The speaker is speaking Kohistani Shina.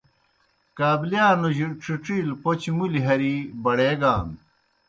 کابلِیانُجیْ ڇیڇِیلہ پوْچہ مُلیْ ہرِی بڑیگان۔